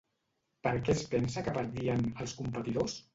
Per què es pensa que perdien, els competidors?